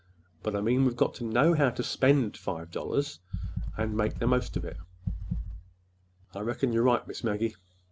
—but I mean that we've got to know how to spend five dollars—and to make the most of it." "I reckon—you're right, Miss Maggie."